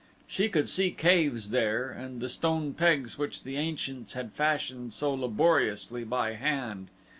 She could see caves there and the stone pegs which the ancients had fashioned so laboriously by hand.